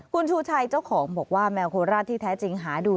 คุณชูชัยเจ้าของบอกว่าแมวโคราชที่แท้จริงหาดู